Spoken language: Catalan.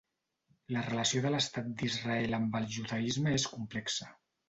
La relació de l'Estat d'Israel amb el judaisme és complexa.